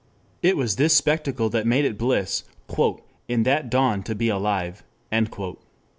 It was this spectacle that made it bliss "in that dawn to be alive."